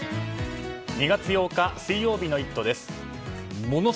２月８日水曜日の「イット！」です。